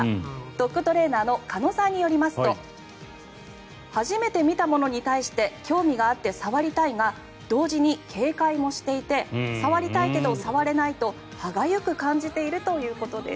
ドッグトレーナーの鹿野さんによりますと初めて見たものに対して興味があって触りたいが同時に警戒もしていて触りたいけど触れないと歯がゆく感じているということです。